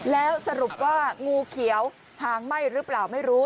แล้วสรุปว่างูเขียวหางไหม้หรือเปล่าไม่รู้